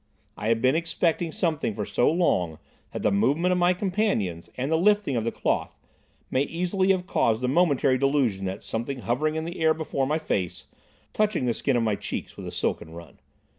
I had been expecting something for so long that the movement of my companions, and the lifting of the cloth, may easily have caused the momentary delusion that something hovered in the air before my face, touching the skin of my cheeks with a silken run.